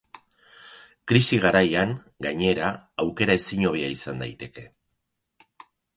Krisi garaian, gainera, aukera ezinhobea izan daiteke.